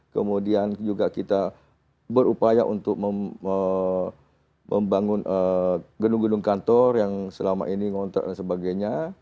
kemudian juga kita berupaya untuk membangun gedung gedung kantor yang selama ini ngontrak dan sebagainya